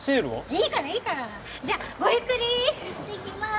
いいからいいからじゃあごゆっくり行ってきまーす